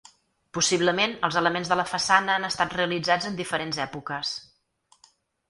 Possiblement els elements de la façana han estat realitzats en diferents èpoques.